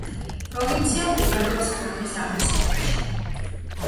პროვინცია მდებარეობს ქვეყნის აღმოსავლეთში.